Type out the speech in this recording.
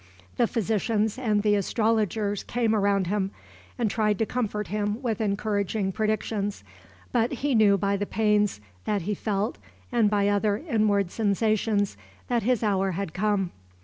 The physicians and the astrologers came around him, and tried to comfort him with encouraging predictions, but he knew by the pains that he felt, and by other inward sensations, that his hour had come.